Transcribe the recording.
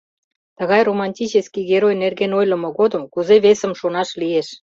— Тыгай романтический герой нерген ойлымо годым кузе весым шонаш лиеш?